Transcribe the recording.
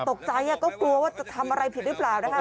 ตกใจก็กลัวว่าจะทำอะไรผิดหรือเปล่านะคะ